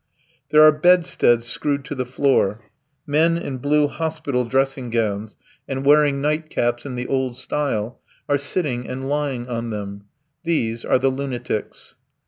There are bedsteads screwed to the floor. Men in blue hospital dressing gowns, and wearing nightcaps in the old style, are sitting and lying on them. These are the lunatics.